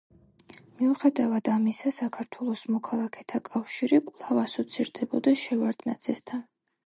მიუხედავად ამისა, საქართველოს მოქალაქეთა კავშირი კვლავ ასოცირდებოდა შევარდნაძესთან.